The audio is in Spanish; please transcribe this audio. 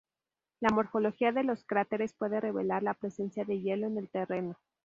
La morfología de los cráteres puede revelar la presencia de hielo en el terreno.